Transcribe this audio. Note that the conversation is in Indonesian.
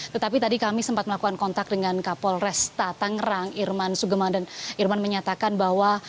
tetapi tadi kami sempat melakukan kontak dengan kapolresta tangerang irman sugeng dan irman menyatakan bahwa